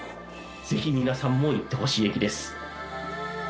ぜひ皆さんも行ってほしい駅です。